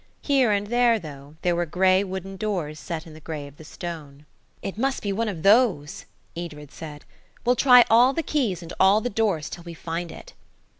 Here and there, though, there were grey wooden doors set in the grey of the stone. "It must be one of those," Edred said. "We'll try all the keys and all the doors till we find it."